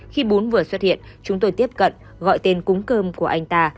khi bún vừa xuất hiện chúng tôi tiếp cận gọi tên cúng cơm của anh ta